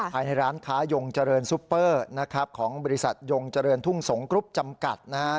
ภายในร้านค้ายงเจริญซุปเปอร์นะครับของบริษัทยงเจริญทุ่งสงกรุ๊ปจำกัดนะฮะ